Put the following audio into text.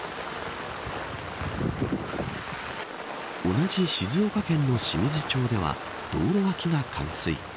同じ静岡県の清水町では道路脇が冠水。